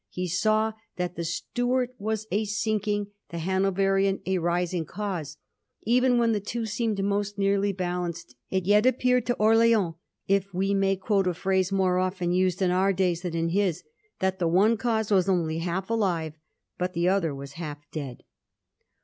He saw that the Stuart Avas a sinking, the Hanoverian a rising cause. Even when the two seemed most nearly balanced it yet appeared to Orleans, if we may quote a phrase more often used in our days than in his, that the one cause was only half alive, but the other was half dead.